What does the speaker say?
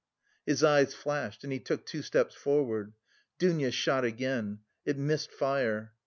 His eyes flashed and he took two steps forward. Dounia shot again: it missed fire.